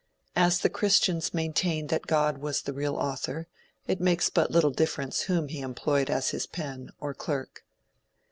As the christians maintain that God was the real author, it makes but little difference whom he employed as his pen, or clerk.